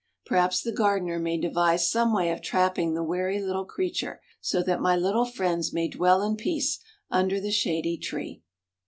Perhaps the gardener may devise some way of trapping the wary little creature, so that my little friends may dwell in peace under the shady tree.